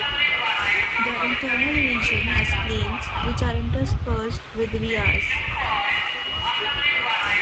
The internal region has plains, which are interspersed with "rias".